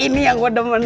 ini yang gue demen